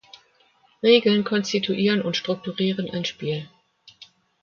Regeln konstituieren und strukturieren ein Spiel.